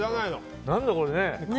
何だこれ。